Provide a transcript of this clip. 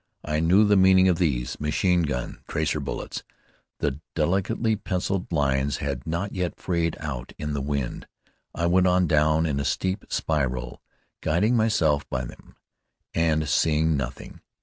I knew the meaning of these, machine gun tracer bullets. The delicately penciled lines had not yet frayed out in the wind. I went on down in a steep spiral, guiding myself by them, and seeing nothing.